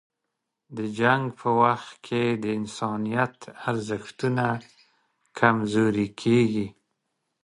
د جنګ په وخت کې د انسانیت ارزښتونه کمزوري کېږي.